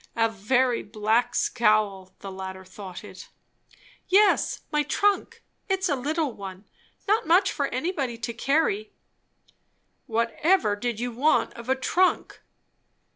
A very black scowl the latter thought it. "Yes, my trunk. It's a little one. Not much for anybody to carry." "Whatever did you want of a trunk?"